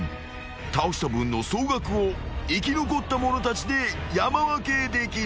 ［倒した分の総額を生き残った者たちで山分けできる］